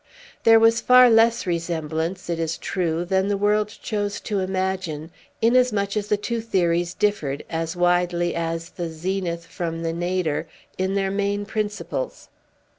There was far less resemblance, it is true, than the world chose to imagine, inasmuch as the two theories differed, as widely as the zenith from the nadir, in their main principles.